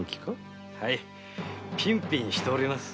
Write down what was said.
ピンピンしております。